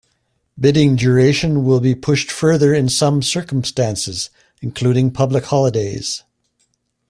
Bidding duration will be pushed further in some circumstances, including public holidays.